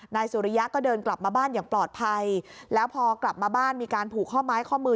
นายสุริยะก็เดินกลับมาบ้านอย่างปลอดภัยแล้วพอกลับมาบ้านมีการผูกข้อไม้ข้อมือ